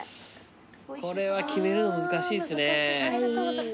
これは決めるの難しいっすね。